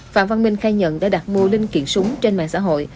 phạm văn minh khai nhận đã đặt mua linh kiện súng trên mạng xã hội